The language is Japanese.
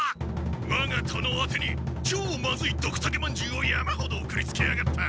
わが殿あてにちょうマズイドクタケまんじゅうを山ほど送りつけやがった！